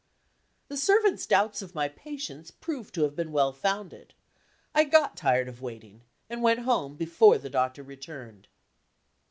The servant's doubts of my patience proved to have been well founded. I got tired of waiting, and went home before the doctor returned.